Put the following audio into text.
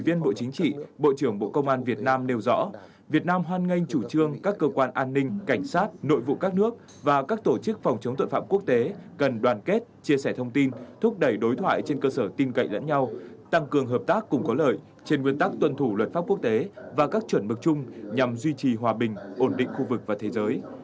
viên bộ chính trị bộ trưởng bộ công an việt nam nêu rõ việt nam hoan nghênh chủ trương các cơ quan an ninh cảnh sát nội vụ các nước và các tổ chức phòng chống tội phạm quốc tế cần đoàn kết chia sẻ thông tin thúc đẩy đối thoại trên cơ sở tin cậy lẫn nhau tăng cường hợp tác cùng có lợi trên nguyên tắc tuân thủ luật pháp quốc tế và các chuẩn mực chung nhằm duy trì hòa bình ổn định khu vực và thế giới